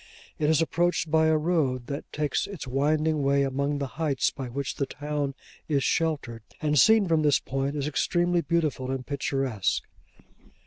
It is approached by a road that takes its winding way among the heights by which the town is sheltered; and seen from this point is extremely beautiful and picturesque.